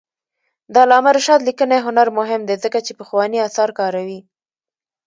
د علامه رشاد لیکنی هنر مهم دی ځکه چې پخواني آثار کاروي.